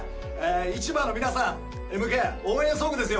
市場の皆さんへ向け応援ソングですよ